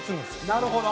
なるほど！